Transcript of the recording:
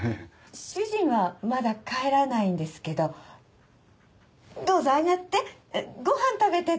主人はまだ帰らないんですけどどうぞあがってごはん食べてって。